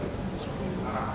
di dalam negara